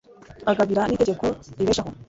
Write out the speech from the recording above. abagabira n'itegeko ribeshaho